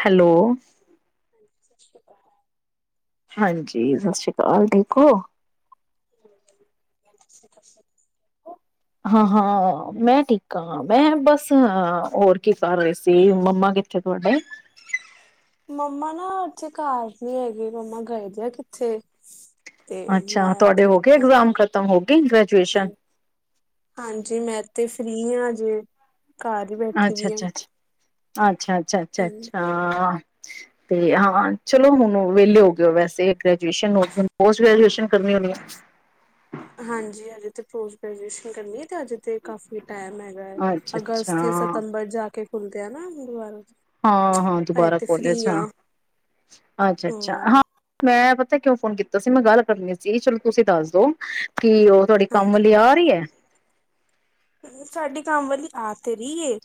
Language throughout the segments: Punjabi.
ਹੈਲੋ। [inaudible] ਹਾਂਜੀ ਸਤਿ ਸ਼੍ਰੀ ਅਕਾਲ ਠੀਕ ਹੋ [inaudible] ਹਾਂ-ਹਾਂ। ਮੈਂ ਠੀਕ ਆ, ਮੈਂ ਬਸ ਹੋਰ ਕੀ ਕਰ ਰਹੇ ਸੀ। ਮੰਮਾ ਕਿੱਥੇ ਤੁਹਾਡੇ ਮੰਮਾ ਨਾ ਅੱਜ ਘਰ ਨੀ ਹੈਗੇ, ਮੰਮਾ ਗਏ ਦੇ ਕਿਥੇ ਤੇ ਅੱਛਾ ਮੈਂ ਤੁਹਾਡੇ ਤੇ ਹੋ ਗਏ ਹ ਇਗਜ਼ਾਮ ਖਤਮ ਹੋ ਗਏ ਹ ਗ੍ਰੈਜੂਏਸ਼ਨ ਹਾਂਜੀ ਮੈਂ ਤੇ ਫ੍ਰਰੀ ਹਾਂ। ਜੇ ਘਰ ਹੀ ਬੈਠੀ ਅੱਛਾ ਦੀ ਆ। ਅੱਛਾ ਅੱਛਾ ਅੱਛਾ। ਹਾਂ ਅੱਛਾ-ਅੱਛਾ-ਅੱਛਾ ਆ ਤੇ ਹਾਂ ਚਲੋ ਹੁਣ ਵਿਹਲੇ ਹੋ ਗਏ ਹੋ, ਵੈਸੇ ਗ੍ਰੈਜੂਏਸ਼ਨ ਹੋ ਗਈ ਹੁਣ ਪੋਸਟ ਗ੍ਰੈਜੂਏਸ਼ਨ ਕਰਨੀ ਹੋਣੀ ਏ। ਹਾਂਜੀ, ਅਜੇ ਤੇ ਪੋਸਟ ਗ੍ਰੈਜੂਏਸ਼ਨ ਕਰਨੀ ਹੈ ਤੇ ਅਜੇ ਕਾਫੀ ਟਾਈਮ ਹੈਗਾ ਏ। ਹੈ ਅੱਛਾ ਅੱਛਾ ਅਗਸਤ ਜਾਂ ਸਤੰਬਰ ਜਾ ਕੇ ਖੁੱਲਦੇ ਆ ਨਾ ਗੁਰੂਦਵਾਰਾ ਹਾਂ-ਹਾਂ ਦੁਬਾਰਾ ਕੋਲੇਜ ਹਾਂ ਅੱਛਾ-ਅੱਛਾ ਹਮ ਹਾਂ ਮੈਂ ਪਤ ਕਿਉਂ ਫੋਨ ਕੀਤਾ ਸੀ, ਮੈਂ ਗੱਲ ਕਰਨੀ ਸੀ ਚਲੋ ਤੁਸੀਂ ਦੱਸ ਦੋ ਕੀ ਉਹ ਤੁਹਾਡੀ ਕੰਮ ਵਾਲੀ ਆ ਰਹੀ ਏ। ਸਾਡੇ ਕੰਮ ਵਾਲੀ ਆ ਤੇ ਰਹੀਏ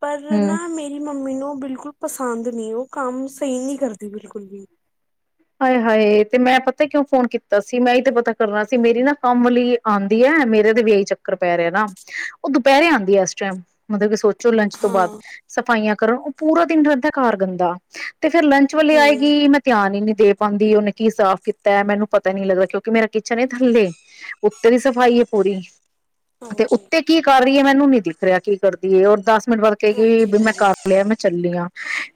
ਪਰ ਹੂੰ। ਨਾ ਮੇਰੀ ਮ ਮੈਨੂੰ ਬਿਲਕੁਲ ਪਸੰਦ ਨੀ ਉਹ ਕੰਮ ਸਹੀ ਨੀ ਕਰਦੀ ਬਿਲਕੁਲ ਵੀ ਹਾਏ ਹਾਏ ਤੇ ਮੈਂ ਪਤਾ ਕਿਉਂ ਫੋਨ ਕੀਤਾ ਸੀ, ਮੈਂ ਐ ਹੀ ਤੇ ਪਤਾ ਕਰਨਾ ਸੀ ਮੇਰੀ ਨਾ ਕੰਮ ਵਾਲੀ ਆਂਦੀ ਹੈ ਮੇਰੇ ਤੇ ਵੀ ਆਹੀ ਚੱਕਰ ਪੈ ਰਿਹਾ ਨਾ ਉਹ ਦੁਪਹਿਰੇ ਆਂਦੀ ਆ ਇਸ ਟਾਈਮ ਮਤਲਬ ਕਿ ਸੋਚ ਲੰਚ ਤੋਂ ਹਾਂ ਬਾਅਦ ਹੂੰ ਸਫਾਈਆਂ ਕਰਨ ਉਹ ਪੂਰਾ ਦਿਨ ਰਹਿ ਦਾ ਘਰ ਗੰਦਾ ਤੇ ਫੇਰ ਲੰਚ ਵੇ ਆਏਗੀ ਮੈਂ ਧਿਆਨ ਈ ਨਹੀਂ ਦੇ ਪਾਉਂਦੀ ਉਹਨੇ ਕੀ ਸਾਫ਼ ਕੀਤਾ ਮੈਨੂੰ ਪਤਾ ਨੀ ਲੱਗਦਾ ਕਿਉਂਕਿ ਮੇਰਾ ਕਿਚਨ ਥੱਲੇ ਉੱਤਰ ਦੀ ਸਫ਼ਾਈ ਹੈ, ਪੂਰੀ ਤੇ ਹਾਂਜੀ ਉੱਤੇ ਕੀ ਕਰ ਰਹੀ ਏ ਮੈਨੂੰ ਨੀ ਦਿਖ ਰਿਹਾ ਕੀ ਕਰਦੀ ਔਰ ਦੱਸ ਮੈਨੂੰ ਬਾਦ ਕਹਿ ਹਾਂਜੀ ਵੀ ਮੈਂ ਹਾਂਜੀ ਕਰ ਲਿਆ ਮੈਂ ਚੱਲੀ ਆ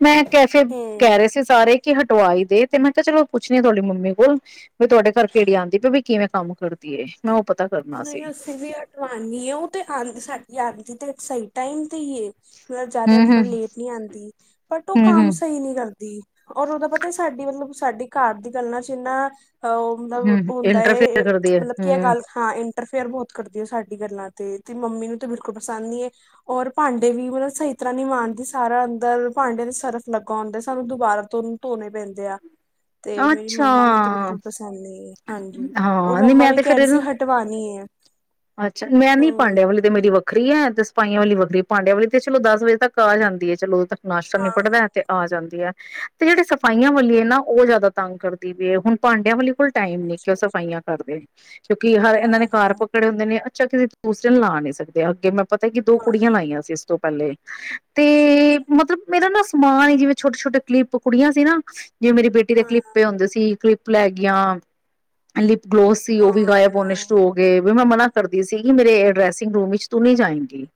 ਮੈਂ ਕੈਫੇ ਹੂੰ ਕਹਿ ਰਹੇ ਸੀ ਸਾਰੇ ਕੀ ਹਟਵਾਈ ਦੇ ਤੇ ਮੈਂ ਕਿਹਾ ਚਲੋ ਪੁੱਛਣੀ ਆ ਤੁਹਾਡੀ ਮੰਮੀ ਕੋਲ ਵਈ ਤੁਹਾਡੇ ਘਰ ਕਿੜੀ ਆਦੀ ਬਈ ਕਿਵੇਂ ਕੰਮ ਕਰਦੀ ਆਏ ਮੈਂ ਪਤਾ ਕਰਨਾ ਸੀ ਨਹੀਂ ਅਸੀਂ ਵੀ ਹਟਵਾਣੀ ਏ ਉਹ ਤੇ ਆਂਦੀ ਤ ਸਾਡੀ ਆਦੀ ਤੇ ਸਹੀ ਟਾਈਮ ਤੇ ਇ ਏ ਮਤਲਬ ਜ਼ਿਆਦਾ ਹਮ ਹਮ ਮਤਲਬ ਲੇਟ ਨੀ ਆਉਂਦੀ ਬਟ ਉਹ ਹਮ ਕੰਮ ਹਮ ਸਹੀ ਨੀ ਕਰਦੀ ਔਰ ਉਹਦਾ ਪਤਾ ਸਾਡੀ ਮਤਲਬ ਸਾਡੀ ਘਰ ਦੀ ਗੱਲਾਂ ਚ ਇਨਾ ਉਹ ਮਤਲਬ ਹਮ ਹੁੰਦਾ ਇੰਟਰਫੇਅਰ ਕਰਦੀ ਹੈ ਮਤਲਬ ਕੀ ਇਹ ਗੱਲ ਹਮ ਇੰਟਰਫੇਅਰ ਬਹੁਤ ਕਰਦੀ ਏ, ਗਈ ਸਾਡੀ ਗੱਲਾਂ ਤੇ ਤੇ ਮੰਮੀ ਨੂੰ ਤੇ ਬਿਲਕੁਲ ਪਸੰਦ ਨੀ ਏ ਔਰ ਭਾਂਡੇ ਵੀ ਮਤਲਬ ਸਹੀ ਤਰ੍ਹਾਂ ਨੀ ਮਾਂਜਦੀ, ਸਾਰਾ ਅੰਦਰ ਭਾਂਡਿਆਂ ਦੇ ਸਰਫ ਲੱਗਾ ਹੁੰਦਾ ਸੱਭ ਦੁਬਾਰਾ ਤੋਂ ਧੋਣੇ ਪੈਂਦੇ ਆ। ਤੇ ਮੇਰੀ ਅੱਛਾ ਮੰਮਾ ਨੂੰ ਤੇ ਬਿਲਕੁਲ ਪਸੰਦ ਨਹੀਂ ਹਾਂਜੀ ਉਹ ਹਾਂ ਨਹੀਂ ਮੰਮਾ ਮੈਂ ਵੀ ਤੇ ਫਿਰ ਕਹਿ ਰਹੀ ਇਹਨੂੰ ਸੀ ਹਜੇ ਅੱਛਾ ਮੈਂ ਨੀ ਹਮ ਭਾਂਡਿਆ ਵਾਲੀ ਤੇ ਮੇਰੀ ਵੱਖਰੀ ਹੈ। ਤੇ ਸਿਫਾਈਆਂ ਵਾਲੀ ਵੱਖਰੀ। ਭਾਂਡਿਆਂ ਵਾਲੀ ਤੇ ਚਲੋ ਦਸ ਵਜੇ ਤੱਕ ਆ ਜਾਂਦੀ ਹੈ ਚਲੋ ਨਾਸ਼ਤਾ ਹਾਂ ਨਿਪਟਦਾ ਤੇ ਆ ਜਾਂਦੀ। ਤੇ ਜਿਹੜੇ ਸਫਾਈਆਂ ਵਾਲੀਏ ਨਾ ਉਹ ਜ਼ਿਆਦਾ ਤੰਗ ਕਰਦੀ ਪਈ ਹੁਣ ਭਾਂਡਿਆਂ ਵਾਲੇ ਕੋਲ ਟਾਈਮ ਨੀ ਕਿ ਓ ਅੱਛਾ ਅੱਛਾ ਸਫਾਈਆਂ ਕਰਦੇ। [unintelligible] ਕਿਉਂਕਿ ਹਰ ਇਹਨਾਂ ਹਾਂ ਨੇ ਘਰ ਹਾਂ ਪਕੜੇ ਹੁੰਦੇ ਨੇ। ਅਛਾ ਕਿ ਦੂਸ ਦਿਨ ਲਾ ਨੀ ਸਕਦੇ ਆ ਅੱਗੇ ਮੈਂ ਪਤਾ ਕਿ ਦੋ ਹਾਂ ਕੁੜੀਆਂ ਲਾਈਆਂ ਸੀ ਇਸ ਤੋਂ ਪਹਿਲੇ ਤੇ ਅੱਛਾ ਅੱਛਾ ਮਤਲਬ ਮੇਰਾ ਨਾ ਸਮਾਨ ਹੀ ਜਿਵੇਂ ਛੋਟੇ ਛੋਟੇ ਕਲੀਪ ਕੁੜੀਆਂ ਸੀ ਨਾ ਜਿਵੇਂ ਮੇਰੀ ਦੇ ਹਾਂ ਕਲਿੱਪੇ ਹੁੰਦੇ ਸੀ ਕਲਿੱਪ ਲੈ ਗਿਆਂ ਲਿਪ ਗਲੋਸ ਸੀ ਉਹ ਹਾਂ ਵੀ ਗਾਇਬ ਹਾਂ ਹੋਣੇ ਸ਼ੁਰੂ ਹੋ ਗਏ। ਵੀ ਮੈਂ ਮਨਾ ਕਰਦੀ ਸੀਗੀ ਮੇਰੇ ਡਰੈਸਿੰਗ ਰੂਮ ਵਿੱਚ ਤੂੰ ਨੀ ਜਾਏਗੀ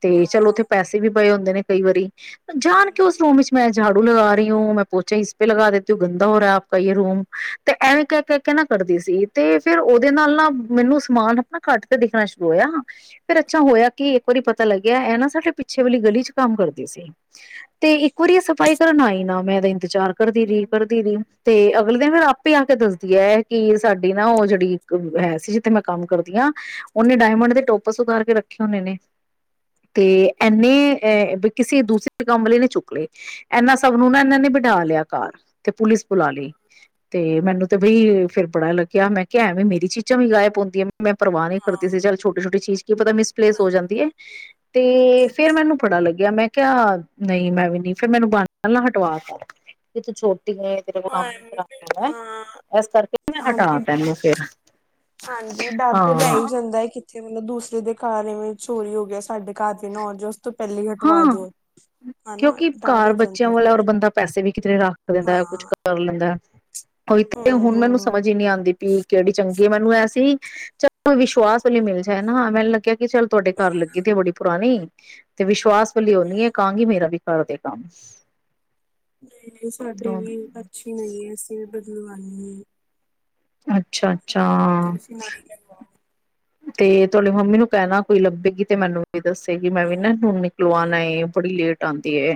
ਤੇ ਚਲ ਉਥੇ ਹਾਂ ਪੈਸੇ ਵੀ ਬਏ ਹੁੰਦੇ ਨੇ ਕਈ ਵਾਰੀ ਜਾਣ ਕੇ ਉਸ ਹਾਂਜੀ ਰੂਮ ਵਿੱਚ ਮੈਂ ਝਾੜੂ ਲਗਾ ਰਹੀ ਹੂੰ ਮੈਂ ਪੋਚਾ ਇਸੇ ਲਗਾ ਦੇਤੀ ਗੰਦਾ ਹੋ ਰਿਹਾ ਆਪ ਯੇ ਰੂਮ ਤੇ ਐਵੇਂ ਕਹਿ ਕੇਹਿ ਕੇ ਨਾ ਕਰਦੀ ਸੀ ਤੇ ਫੇਰ ਉਹਦੇ ਨਾਲ ਨਾ ਹਾਂਜੀ ਮੈਨੂੰ ਸਮਾਨ ਨਾ ਘੱਟ ਕੇ ਦੇਖਣਾ ਸ਼ੁਰੂ ਹੋਇਆ। ਫੇਰ ਅੱਛਾ ਹੋਇਆ ਕਿ ਇਕ ਵਾਰੀ ਪਤਾ ਲੱਗਿਆ ਇਹ ਨਾ ਸਾਡੇ ਪਿੱਛੇ ਵਾਲੀ ਗਲੀ ਚ ਕੰਮ ਕਰਦੀ ਸੀ। ਤੇ ਇੱਕ ਵਾਰੀ ਸਫਾਈ ਆਈ ਨਾ ਮੈਂ ਵਿਚਾਰ ਕਰਦੀ ਰਹੀ। ਕਰਦੀ ਹਮ ਰਹੀ ਤੇ ਅਗਲੇ ਫਿਰ ਆਪੇ ਆ ਕੇ ਦੱਸਦੀ ਹੈ ਕਿ ਸਾਡੀ ਨਾ ਉਹ ਜਿਹੜੀ ਹੈ ਸੀ ਜਿੱਥੇ ਮੈਂ ਕੰਮ ਕਰਦੀ ਹਾਂ ਉਹਨੇ ਡਾਇਮੰਡ ਦੇ ਟੋਪਸ ਉਧਾਰ ਕੇ ਰੱਖੇ ਹੁਣੇ ਨੇ ਤੇ ਇਹਨੇ ਕਿਸੇ ਦੂਸਰੇ ਕੰਮ ਲਈ ਨੇ ਚੁੱਕ ਲਏ ਇਹਨਾਂ ਸਭ ਨੂੰ ਨਾ ਇਹਨਾਂ ਨੇ ਬਿਠਾ ਲਿਆ ਘਰ। ਤੇ ਪੁਲਿਸ ਬੁਲਾ ਲਈ ਤੇ ਮੈਨੂੰ ਤੇ ਬਈ ਫੇਰ ਬੜਾ ਲੱਗਿਆ ਕਿਹਾ ਮੈਂ ਕਿਹਾ ਵੀ ਮੇਰੀ ਚੀਜ਼ਾਂ ਵੀ ਗਾਇਬ ਹੁੰਦੀਆਂ ਪਈਆ। ਮੈਂ ਪਰਵਾਹ ਨਹੀਂ ਹਾਂ ਕਰਦੀ ਸੀ ਚੱਲ ਛੋਟੀ ਛੋਟੀ ਚੀਜ਼ ਕੀ ਪਤਾ ਮਿਸਪਲੇਸ ਹੋ ਜਾਂਦੀ ਹੈ ਤੇ ਫਿਰ ਮੈਨੂੰ ਪੜਾ ਲੱਗਿਆ ਮੈਂ ਕਿਹਾ ਨਹੀਂ ਮੈਂ ਵੀ ਨਹੀਂ ਫਿਰ ਮੈਨੂੰ ਬ ਨਾਲ ਹਟਵਾਤਾ ਜ ਤੂੰ ਛੋਟ ਤੇਰੇ ਹਾਂ ਕੰਮ ਨ ਐਵੇਂ ਫਿਰ ਕਰਾਾ ਹਾਂ ਇਸ ਕਰਕੇ ਮੈਂ ਹਟਾ ਹਾਂਜੀ ਤੈਨੂੰ ਫਿਰ ਹਾਂਜੀ ਡਰ ਤੇ ਬਹਿ ਹੀ ਜਾਂਦਾ ਹੈ ਕਿੱਥੇ ਮਤਲਬ ਦੂਸਰੇ ਦੇ ਕਾਰਰ ਇਵੇਂ ਚੋਰੀ ਹੋ ਗਿਆ ਸਾਡੇ ਘਰ ਦੇ ਨਾਲ ਜੋ ਹਾਂ ਹਨਾ ਕਿਉਂਕਿ ਡਰ ਘਰ ਹੋ ਬੱਚਿਆਂ ਜਾਂਦਾ ਵਾਲਾ ਫਿਰ ਔਰ ਬੰਦਾ ਪੈਸੇ ਵੀ ਕਿਤੇਰੇ ਰੱਖ ਦਿੰਦਾ ਹਾਂ ਹੈ ਕੁਛ ਕਰ ਲੈਂਦਾ ਇਥੇ ਹਮ ਹੁਣ ਮੈਨੂੰ ਹਮ ਸਮਝ ਹੀ ਨਹੀਂੀ ਆਉਂਦੀ ਵੀ ਕਿਹੜੀ ਚੰਗੀ ਮੈਨੂੰ ਐਸੀ ਚਲ ਵਿਸ਼ਵਾਸ ਉਹਲੀ ਮਿਲ ਜਾਏ ਨਾ ਮੈਨੂੰ ਲੱਗਿਆ ਚੱਲ ਤੁਹਾਡੇ ਘਰ ਲੱਗੇ ਹਾਂ ਤੇ ਬੜੀ ਪੁਰਾਣੀ [inaudible] ਤੇ ਵਿਸ਼ਵਾਸ ਲਿਉਨੀ ਹੈ ਕਹਾਂਗੀ ਮੇਰਾ ਵੀ [inaudible] ਸਾਡੀ ਵੀ ਅੱਛੀ ਨਈਂ ਐ ਸ [inaudible] [unintelligible] ਅੱਛਾ ਅੱਛਾ ਸਿਲਾਈ ਲਗਵਾਓ ਤੇ ਤੁਹਾਡੀ ਮੰਮੀ ਨੂੰ ਕਹਿਣਾ ਕੋਈ ਲੱਭੇਗੀ ਤੇ ਮੈਨੂੰ ਵੀ ਦੱਸੇਗੀ ਮੈਂ ਹਾਂ ਵੀ ਨਾ ਹਾਂ ਨਿਕਲਵਾਉਣਾ ਏ ਬੜੀ ਲੇਟ ਟਦੀ ਹੈ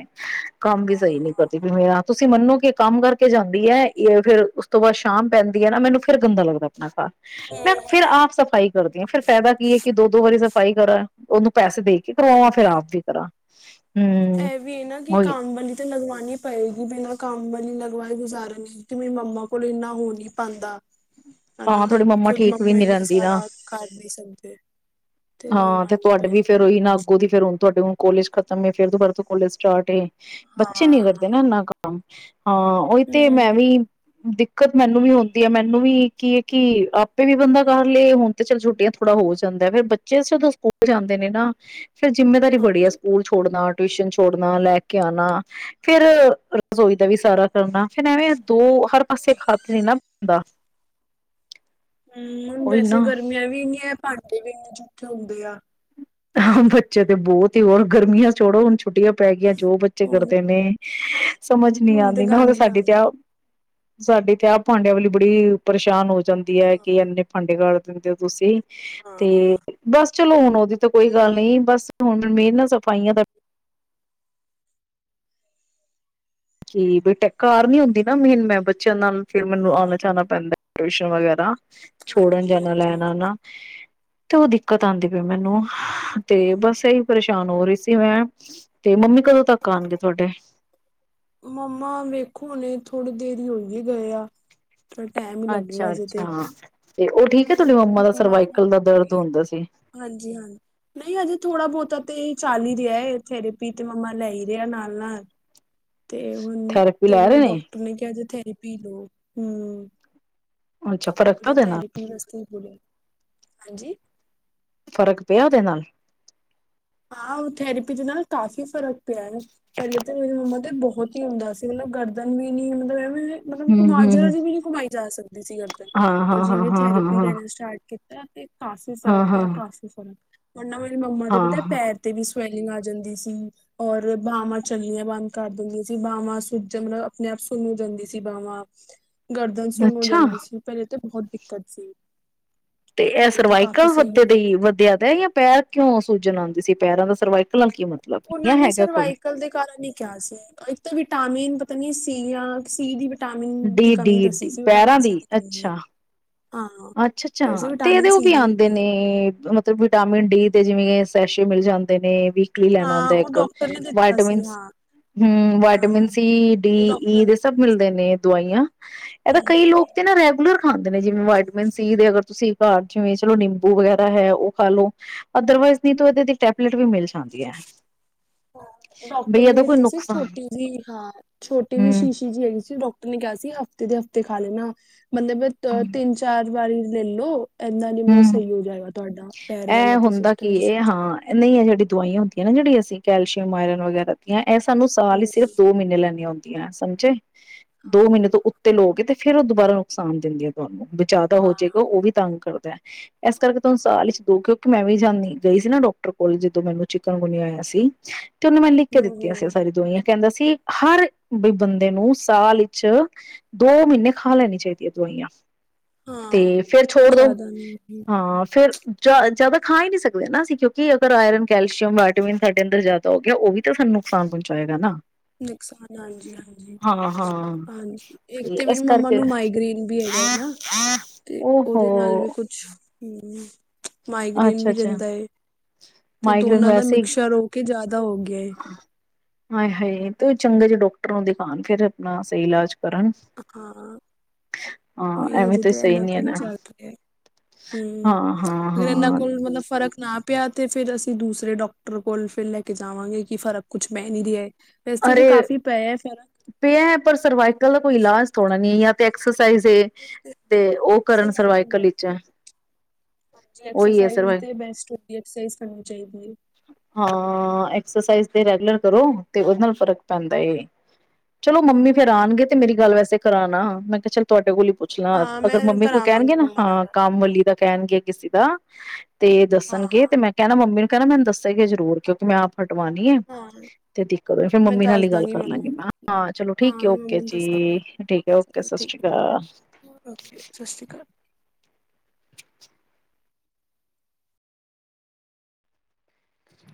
ਕੰਮ ਵੀ ਹਾਂ ਸਹੀ ਨੀ ਹਾਂ ਕਰਦੀ ਵੀ ਮੇਰਾ ਤੁਸੀਂ ਮੰਨੋ ਕਿ ਕੰਮ ਕਰਕੇ ਜਾਂਦੀ ਹੈ ਇਹ ਫੇਿਰ ਉਸ ਤੋਂ ਬਾਅਦ ਸ਼ਾਮ ਪੈਂਦੀ ਹੈ ਨਾ ਮੈਨੂੰ ਫਿਰ ਗੰਦਾ ਲੱਗਦਾ ਆਪਣਾ ਘ ਮੈਂ ਹਮ, ਫਿਰ ਆਪ ਹਮ, ਸਫ਼ਾਈ ਫੇਿਰ ਫਾਇਦਾ ਕੀ ਹੈ ਕਿ ਦੋ ਦੋ ਵਾਰੀ ਸਫ਼ਾਈ ਕਰਾਂ ਉਹਨੂੰ ਪੈਸੇ ਦੇ ਕੇ ਕਰਵਾਵਾਂ ਫੇਿਰ ਹਾਂਜੀ ਆਪ ਵੀ ਕਰਾਂ [inaudible] ਇਹ ਵੀ ਹੈ ਨਾ ਕਿ ਉਹੀ ਕੰਮ ਵਾਲੀ ਤਾਂ ਲਗਵਣੀ ਪਏਗੀ ਬਿਨਾਂ ਕੰਮ ਵਾਲੀ ਲਗਵਾਈ ਗੁਜ਼ਾਰਨ ਕਿ ਮੇਰੀ ਮੰਮਾ ਕੋਲ ਇੰਨਾ ਹੋ ਨਹੀਂ ਪਾਉਂਦਾ ਹਾਂ ਹਨਾ ਹਾਡੀੇ ਮੰਮਾ ਖੁਦ ਠੀਕ ਵੀ ਨੀ ਇੰਨਾ ਰਹਿੰਦੀ ਨਾ ਸਾਰਾ ਕਰ ਨਹੀਂ ਸਕਦੇ ਹਾਂ ਤੇ ਲਗਵਾਉਣੀ ਤੁਹਾਡੇ ਵੀ ਪੈਣੀ ਫੇਿਰ ਉਹੀ ਨਾ ਅੱਗੋਂ ਦੀ ਫੇਿਰ ਹ ਤੁਹਾਡੇ ਕੋਲੇਜ ਖਤਮ ਫੇਰ ਦੋ ਫਾਰ ਤੋਂ ਕੋਲੇਜ ਸਟਾਰਟ ਹੈ ਬੱਚੇ ਹਾਂ ਨੀ ਕਰਦੇ ਨਾ ਹਮ ਇੰਨਾ ਕੰਮ ਹਾਂ ਉਹੀ ਤੇ ਮੈਂ ਵੀ ਦਿੱਕਤ ਮੈਨੂੰ ਵੀ ਹੁੰਦੀ ਹੈ ਮੈਨੂੰ ਵੀ ਕੀ ਹੈ ਕਿ ਆਪੇ ਵੀ ਬੰਦਾ ਕਰ ਲਏ ਹੁਣ ਤੇ ਚੱਲ ਛੁੱਟੀਆਂ ਥੋੜਾ ਹੋ ਜਾਂਦਾ ਫਿਰ ਬੱਚੇ ਜਦੋਂ ਸਕੂਲ ਜਾਂਦੇ ਨੇ ਨਾ ਫਿਰ ਜਿੰਮੇਦਾਰੀ ਬੜੀ ਆ ਹਾਂਜੀ ਸਕੂਲ ਛੋੜਨਾ ਟਿਊਸ਼ਨ ਛੋੜਨਾ ਲੈ ਕੇ ਆਨਾ ਫੇਰ ਰਸੋਈ ਦਾ ਵੀ ਸਾਰਾ ਕਰਨਾ, ਫਿਰ ਐਵੇਂ ਦੋ ਹਰ ਪਾਸੇ ਖਾਤ ਨੇ ਨਾ ਦਾ ਹੂੰ, ਵੈਸੇ ਗਰਮੀਆਂ ਵੀ ਇੰਨੀਆਂ ਭਾਂਡੇ ਵੀ ਇੰਨੇ ਜੂਠੇ ਇਕਥੇ ਹੁੰਦੇ ਆ ਹਾਂ, ਹਨਾ ਬੱਚੇ ਤੇ ਬਹੁਤ ਤੇ ਹੋਰ ਗਰਮੀਆਂ ਚੋੜੋ ਹੁ ਛੁਟੀਆਂ ਪੈ ਗਈਆਂ, ਜੋ ਬੱਚੇ ਹੋਰ ਕਰਦੇ ਨੇ ਸਮਝ ਨੀ ਤੇ ਆਉਂਦੀ ਨਾ, ਹੁਣ ਤਾਂ ਗਾਂਦੇ ਸਾਡੀ ਤੇ ਗਾਂਦੇ ਸਾਡੇ ਤੇ, ਆ ਭਾਂਡਿਆਂ ਵਾਲੀ ਬੜੀ ਪਰੇਸ਼ਾਨ ਹੋ ਜਾਂਦੀ ਹੈ ਕਿ ਹਾਂ ਇੰਨੇ ਭਾੰਡੇ ਕਰ ਦਿੰਦੇ ਹੋ ਤੁਸੀਂ ਤੇ ਹਾਂ ਬਸ ਚਲੋ, ਹੁਣ ਉਹਦੀ ਤਾਂ ਕੋਈ ਗੱਲ ਨਹੀਂ, ਬਸ ਹੁਣ ਮੇਨ ਨਾ ਸਫ਼ਾਈਆਂ ਦਾ ਕੀ ਬੇਟੇ ਕਾਰ ਨੀ ਹੁੰਦੀ ਨਾ ਮੇਨ ਮ ਨਾਲ ਫਿਰ ਮੈਨੂੰ ਹਾਂ ਆਉਣਾ ਜਾਣਾ ਪੈਂਦਾ ਏ, ਟਿਊਸ਼ਨ ਵਗੈਰਾ ਤਾਂ, ਛੋੜਨ ਹਾਂਜੀ ਜਾਣਾ ਹਾਂਜੀ ਲੈਣਾ ਨਾ ਕਿਓ ਉਹ ਦਿੱਕਤ ਆਉਂਦੀ ਪਈ, ਮੈਨੂੰ, ਤੇ ਹਾਂ ਬਸ ਇਹੀ ਪਰੇਸ਼ਾਨ ਹੋ ਰਹੀ ਸ ਤੇ ਮੈਂ, ਤੇ ਮੰਮੀ ਕਦੋਂ ਤੱਕ ਆਉਣਗੇ ਤੁਹਾਡੇ? ਮੰਮਾ ਵੇਖੋ, ਹੁਣੇ ਥੋੜ੍ਹੀ ਦੇਰ ਹੋਈ ਏ ਗਏ ਆ। ਥੋੜਾ ਟਾਈਮ ਹੀ ਅੱਛਾ- ਅੱਛਾ। ਤੇ ਉਹ ਠੀਕ ਹੈ। ਤੁਹਾਡੀ ਮੰਮਾ ਦਾ ਮੰ ਸਰਵਾਈਕਲ ਦਾ ਦਰਦ ਹਾਂਜੀ- ਹੁੰਦਾ ਸੀ ਹਾਂਜੀ। ਨਹੀਂ, ਅਜੇ ਥੋੜਾ- ਬਹੁਤਾ ਤੇ ਚਾਲ ਹੀ ਰਿਹਾ, ਇਥੇ ਪ੍ਰੀਤੀ ਮੰਮਾ ਲਿਆਈ ਰਹੇ ਆ, ਨਾਲ- ਨਾਲ। ਤੇ ਹੁਣ ਥੈਰੇਪੀ ਤੇ ਲੈ ਰਹੇ ਮਨ ਡਾਕਟਰ ਨੇ ਕਿਹਾ ਜੇ ਥੈਰੇਪੀ ਲੋਕ ਹੂੰ ਅੱਛਾ ਫਰਕ ਪਿਆ ਉਹ ਉਹਦੇ ਨਾਲ ਥੈਰੇਪੀ ਵਾਸਤੇ ਹੀ ਬੋਲਿਆ ਹਾਂਜੀ? ਫ਼ਰਕ ਪਿਆ ਉਹਦੇ ਨਾਲ? ਹਾਂ, ਉਹ ਥੈਰੇਪੀ ਦੇ ਨਾਲ ਕਾਫ਼ੀ ਫਰਕ। ਪਿਆ ਪਹਿਲੇ ਤਾਂ, ਮੇਰੀ ਮੰਮਾ ਤੇ ਬਹੁ ਬਹੁਤ ਹੀ ਹੁੰਦਾ ਸੀ। ਮਤਲਬ ਗਰਦਨ ਵੀ ਨੀ ਮਤਲਬ ਮਤਲਬ ਹਮ ਕਮਾ ਜ ਹਮ ਦੀ ਵੀ ਨੀ ਕਮਾਈ ਜਾ ਸਕਦੇ ਨਹੀ ਸੀ ਵਰਤਣ ਹਾਂ ਹਾਂ ਹਾਂ ਜਿਵੇਂ ਹਾਂ ਹਾਂ ਥੈਰੇਪੀ ਲੈਣਾ ਹਾਂ ਸਟਾਰਟ ਇਹ ਤੇ ਕਾਫੀ ਫਰਕ ਪਿਆ ਹੈ ਹਾਂ ਕਾਫੀ ਫਰਕ ਹਾਂ ਹਾਂ [unintelligible] ਵੀ ਸਵੈਲਿੰਗ ਆ ਜਾਂਦੀ ਸੀ ਔਰ ਬਾਹਵਾਂ ਚੰਗੀਆਂ ਬੰਦ ਕਰ ਦਿੰਦੀਆਂ ਸੀ ਬਾਹਵਾਂ ਸੁੱਜ ਮਤਲਬ ਆਪਣੇ ਆਪ ਸੁਨ ਜਾਂਦੀ ਸੀ ਬਾਹਵਾਂ ਗਰਦਨ ਸੁਣੋ ਅੱਛਾ ਜਾਂਦੀ ਸੀ ਪਹਿਲੇ ਤੇ ਬਹੁਤ ਦਿੱਕਤ ਸੀ ਤੇ ਇਹ ਹੁਣ ਕਾਫ਼ੀ ਸਰਵਾਈਕਲ ਸਹੀ ਵਧ ਹੋ ਗਈ ਦਿੱਕਤ ਵਧਿਆ ਦਾ ਜਾਂ ਪੈਰ ਕਿਉਂ ਸੂਜ ਆਉਂਦੀ ਸੀ ਪੈਰਾਂ ਦਾ ਸਰਵ ਉਹਨਾਂ ਨੇ ਸਰਵਾਈਕਲ ਦੇ ਕਾਰਨ ਹੀ ਕਿਹਾ ਸੀ ਇੱਕ ਤਾਂ ਵਿਟਾਮਿਨ [unintelligible] ਵਿਟਾਮਿਨ ਦੀ ਡੀ ਕਮੀ ਡੀ ਦੱਸੀ ਡੀ ਸੀ ਪੈਰਾਂ ਵਿਟਾਮਿਨ ਸੀ ਦੀ ਕਮੀ ਅੱਛਾ ਹਾਂ ਅੱਛਾ ਫਿਰ ਅੱਛਾ ਸੀ ਤੇ ਵਿਟਾਮਿਨ ਇਹਦੇ ਉਹ ਸੀ ਵੀ ਦੀ ਆਉਂਦੇ ਕਮੀ ਨੇ ਹੈ ਮਤਲਬ ਵਿਟਾਮਿਨ ਡੀ ਜਿਵੇਂ ਸੈਸ਼ੇ ਮਿਲ ਜਾਂਦੇ ਨੇ ਵੀ ਲੈ ਹੁੰ ਹਾਂ ਉਹ ਇੱਕ ਡਾਕਟਰ ਨੇ ਦਿੱਤਾ ਸੀ ਵਟਿਨ ਹਾਂ ਹਮ ਹਾਂ ਵਟਿਨ ਹਾਂ ਸੀ ਡੀ ਉਹ ਡਾਕਟਰ ਈ ਨੇ ਸਭ ਦਿੱਤਾ ਸੀ ਮਿਲਦੇ ਨੇ ਦਵਾਈਆਂ ਇਹ ਹਮ ਕਈ ਲੋਕ ਨਾ ਰੈਗੂਲਰ ਹੁੰਦੇ ਨੇ ਜਿਵੇਂ [unintelligible] ਅਗਰ ਤੁਸੀਂ ਘਰ ਜਿਵੇਂ ਚਲੋ ਨਿੰਬੂ ਵਗੈਰਾ ਹੈ ਉਹ ਖਾ ਲੋ ਅਦਰਵਾਈਜ਼ ਨ ਇਹਦੇ ਟੈਬਲੇਟ ਵੀ ਮਿਲ ਜਾਂਦੀ ਹੈ ਡਾਕਟਰ ਬਈ ਨੇ ਇਹਦਾ ਕੋਈ ਦਿੱਤੀ ਸੀ ਨੁਕਸਾਨ ਛੋਟੀ ਜਿਹੀ ਹਾਂ ਛੋਟੀ ਜਿਹੀ ਹੂੰ, ਸ਼ੀਸ਼ੀ ਜਿਹੀ ਹੈਗੀ ਸੀ ਡਾਕ ਨੇ ਕਿਹਾ ਸੀ ਹਫ਼ਤੇ ਦੇ ਹਫ਼ਤੇ ਖਾ ਲੈਣਾ ਮਤਲਬ ਦੋ ਤਿੰਨ ਚਾਰ ਵਾਰੀ ਲੈ ਲੋ ਇੰਨਾ ਨ ਮਤਲਬ ਹੂੰ ਸਹੀ ਹੋ ਜਾਏਗਾ ਤੁਹਾਡਾ ਪੈਰ ਵਾਲ ਇਹ ਤੇ ਹੁੰਦਾ ਸਿਸਟਮ ਕੀ ਚ ਇਹ ਸੁਜ ਜਾਂਦਿਆ ਹਾਂ ਨਹੀਂ ਇਹ ਜਿਹੜੀ ਦਵਾਈਆਂ ਹੁੰਦੀਆਂ ਜਿਹੜੀ ਅਸੀਂ ਕੈਲਸ਼ਅਮ ਆਰਨ ਵਗੈਰਾ ਦੀਆਂ ਇਹ ਸਾਨੂੰ ਸਾਲ ਹੀ ਹਮ, ਸਿਰਫ ਦੋ ਮਹੀਨੇ ਲੈਣੇ ਹੁੰਦੇ ਸਮਝੇ ਦੋ ਹਾਂ ਮਹੀਨੇ ਹਾਂ ਤੋਂ ਉੱਤੇ ਲਓ ਗੇ ਤੇ ਫੇਰ ਉਹ ਦੁਬਾਰਾ ਨੁਕਸਾਨ ਦਿੰਦੀ ਆ ਤੁਹਾਨੂੰ ਬਈ ਜਾਦਾ ਹੋ ਹਾਂ। ਜਾਏਗਾ ਉਹ ਵੀ ਤੰਗ ਕਰਦਾ ਇਸ ਕਰਕੇ ਤੁਹਾਨੂੰ ਸਾਲ ਦੋ ਕਿਉਂਕਿ ਮੈਂ ਵੀ ਜਾਂਦੀ ਗਈ ਸੀ ਨਾ ਡਾਕਟਰ ਕੋਲ ਜਦੋਂ ਮੈਨੂੰ ਚਿਕਨਗੁਨੀ ਆਇਆ ਸੀ ਤੇ ਉਹ ਮੇਨ ਲਿਖ ਕੇ ਦਿੱਤੀਆਂ ਸੀ ਹੂੰ-ਹੂੰ। ਸਾਰੀ ਦਵਾਇਆ ਕਹਿੰਦਾ ਸੀ ਹਰ ਵੀ ਬੰਦੇ ਨੂੰ ਸਾਲ ਵਿੱਚ ਦੋ ਮਹੀਨੇ ਖਾ ਲੈਣੀ ਚਾਹੀਦੀ ਹੈ ਦਵਾਈਆਂ ਤੇ ਹਾਂ, ਫੇਿਰ ਛੋੜ ਦੋ ਹਾਂ ਫੇਰ [unintelligible] ਜ਼ਿਆਦਾ ਖਾ ਈ ਨਹੀਂ ਸਕਦੇ ਨਾ ਅਸੀਂ ਕਿਉਂਕਿ ਅਗਰ ਆਇਰਨ ਕੈਲਸ਼ੀਅਮ ਵਾਇਟਾਮਿਨ ਸਾਡੇ ਅੰਦਰ ਜ਼ਿਆਦਾ ਹੋ ਗਿਆ ਉਹ ਵੀ ਤਾਂ ਸਾਨੂੰ ਨੁਕਸਾਨ ਪਹੁੰਚਾਏਗਾ ਨਾ ਨੁਕਸਾਨ ਹਾਂਜੀ ਹਾਂਜੀ ਹਾਂ ਹਾਂ ਹਾਂਜੀ ਇੱਕ ਤੇ ਵੀ ਇਸ ਮੰਮਾ ਕਰਕੇ ਨੂੰ ਮਾਈਗ੍ਰੇਨ ਵੀ ਹੈਗਾ ਹੈ ਨਾ ਤੇ ਓਹੋ ਉਹਦੇ ਨਾਲ ਵੀ ਕੁਛ ਹਮ ਮਾਈਗ੍ਰੇਨ ਅੱਛਾ ਵੀ ਅੱਛਾ ਰਹਿੰਦਾ ਏ ਤੇ ਮਾਈਗ੍ਰੇਨ ਦੋਨਾਂ ਦਾ ਵੈਸੇ ਹੀ ਮਿਕਸ਼ਰ ਹੋ ਕੇ ਜ਼ਿਆਦਾ ਹੋ ਗਿਆ ਏ ਹਾਏ ਹਾਏ ਤੇ ਉਹ ਚੰਗੇ ਜਿਹੇ ਡਾਕਟਰ ਨੂੰ ਦਿਖਾਉਣ ਫਿਰ ਆਪਣਾ ਸਹੀ ਇਲਾਜ। ਕਰਣ। ਹਾਂ, ਉਹੀ ਹਜੇ ਤੇ ਇਨਾ ਕੋਲ ਹੀ ਚੱਲ ਰਿਹਾ ਹਮ ਹਾਂ ਹਾਂ ਅਗਰ ਇਨਾ। ਹਾਂ ਕੋਲ ਮਤਲਬ ਫਰਕ ਨਾ ਪਿਆ ਅਤੇ ਫਿਰ ਅਸੀਂ ਦੂਸਰੇ ਡਾਕਟਰ ਕੋਲ ਫਿਰ ਲੈ ਕੇ ਜਾਵਾਂਗੇ ਕਿ ਫਰਕ ਕੁਛ ਬਹਿ ਨਹੀਂ ਰਿਹਾ ਹੈ। ਅਰੇ ਪਿਆ ਹੈ ਪਰ ਸਰਵਾਈਕਲ ਦਾ ਕੋਈ ਇਲਾਜ ਥੋੜ੍ਹਾ ਨਹੀਂ ਐ ਯ। ਟਕਸ ਤਾਇਸ ਏ ਫ਼ਰਕ ਤੇ ਉਹ ਕਰਨ ਸਰਵਾਈਕਲ ਵਿਚ ਹਾਂਜੀ ਆਈ ਏ ਸਰ ਹੋ ਐਕਸਰਸਾਈਜ਼ ਤੇ ਬੈਸਟ ਹੁੰਦੀ ਐਕਸਰਸਾਈਜ਼ ਕਰਨੀ ਚਾਹੀਦੀ ਹੈ। ਏਕਸਰਸਿਜ਼ ਤੇ ਰੈਗੂਲਰ ਕਰੋ। ਤੇ ਉਹਦੇ ਨਾਲ ਫ਼ਰਕ ਪੈਂਦਾ ਏ। ਚਲੋ ਹਾਂ ਮੰਮੀ ਫਿਰ ਆਣਗੇ। ਤੇ ਮੇਰੀ ਗੱਲ ਵੈਸੇ ਕਰਾਨਾ। ਮੈਂ ਕਿਹਾ ਚੱਲ ਤੁਹਾਡੇ ਕੋਲਲੀ। ਪੁੱਛ ਲਾਂ ਹਾਂ ਮੈਂ ਅਗਰ ਮੰਮੀ ਕੋਈ ਕਰਾਵਾਂਗੀ ਕਹਿਣਗੇ ਨਾ ਮੰਮਾ ਨਾਲ ਹਾਂ ਗੱਲ ਕੰਮ ਵਾਲੀ ਦਾ। ਕੈਨ ਗ ਕਿਸੀ ਦਾ। ਤੇ ਹਾਂ ਦੱਸਣਗੇ ਹਾਂ ਤੇ ਮੈਂ ਕਹਿਣਾ ਮੰਮੀ ਨੂੰ। [unintelligible] ਮੈਨੂੰ ਦੱਸੇਗੇ ਜ਼ਰੂਰ ਕਿਉਂਕਿ ਮ ਆਪ। ਹਟਵਣੀ ਐ। ਹਾਂ ਤੇ ਦੀ ਕਰੋ ਫੇਰ ਮੈਂ ਮੰਮੀ ਨਾਲ ਦੱਸ ਹੀ ਗੱਲ ਦਾਂਗੀ ਕਰ ਮੰਮਾ ਲਾਂਗੀ ਮ। ਨੂੰ ਮੈਂ ਕਿਹਾ ਚਲੋ ਹਾਂ ਮੈਂ ਠੀਕ ਹੈ, ਮੰਮਾ ਓਕੇ ਨੂੰ ਜੀ। ਦੱਸ ਦਾਂਗੀ ਠੀਕ ਹੈ, ਓਕੇ, ਚਲੋ ਸਤ ਠੀਕ ਸ੍ਰੀ ਅਕਾਲ। ਹੈ ਓਕੇ ਸਤਿ ਸ਼੍ਰੀ ਅਕਾਲ